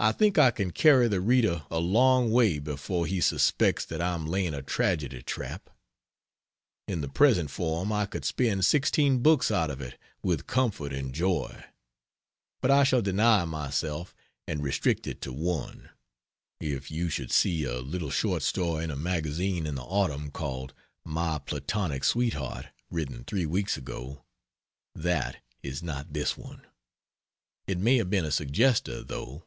I think I can carry the reader a long way before he suspects that I am laying a tragedy trap. In the present form I could spin 16 books out of it with comfort and joy; but I shall deny myself and restrict it to one. (If you should see a little short story in a magazine in the autumn called "My Platonic Sweetheart" written 3 weeks ago) that is not this one. It may have been a suggester, though.